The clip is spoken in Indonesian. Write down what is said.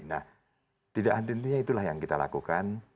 nah tidak tentunya itulah yang kita lakukan